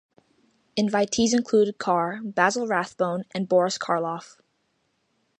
Invitees included Carr, Basil Rathbone, and Boris Karloff.